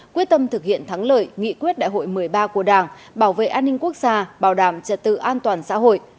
quyết tâm thực hiện thắng lợi nghị quyết đại hội một mươi ba của đảng bảo vệ an ninh quốc gia bảo đảm trật tự an toàn xã hội